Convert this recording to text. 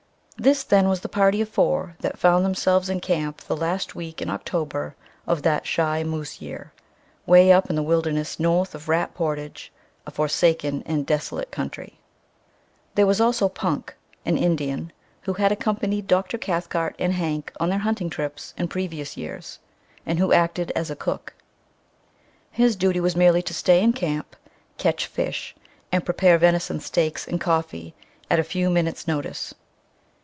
This, then, was the party of four that found themselves in camp the last week in October of that "shy moose year" 'way up in the wilderness north of Rat Portage a forsaken and desolate country. There was also Punk, an Indian, who had accompanied Dr. Cathcart and Hank on their hunting trips in previous years, and who acted as cook. His duty was merely to stay in camp, catch fish, and prepare venison steaks and coffee at a few minutes' notice.